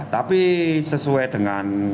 tapi sesuai dengan